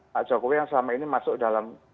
pak jokowi yang selama ini masuk dalam